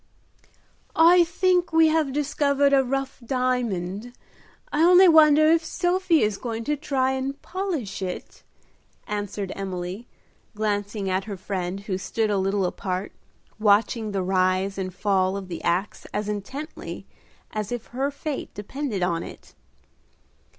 "I think we have discovered a rough diamond. I only wonder if Sophie is going to try and polish it," answered Emily, glancing at her friend, who stood a little apart, watching the rise and fall of the axe as intently as if her fate depended on it.